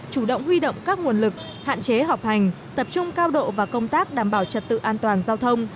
chủ động huy động các nguồn lực hạn chế học hành tập trung cao độ và công tác đảm bảo trật tự an toàn giao thông